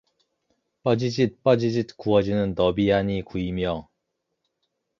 뻐지짓뻐지짓 구워지는 너비아니구이며